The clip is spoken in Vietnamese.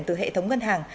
từ hệ thống ngân hàng